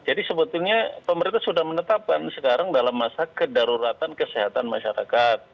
jadi sebetulnya pemerintah sudah menetapkan sekarang dalam masa kedaruratan kesehatan masyarakat